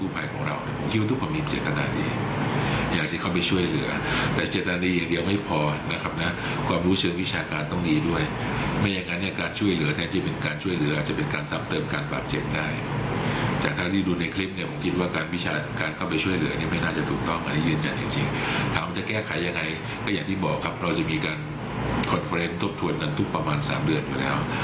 เพราะว่าจะมีการคอนเฟอร์เรนต์ทบทวนกันทุกประมาณ๓เดือนอยู่แล้ว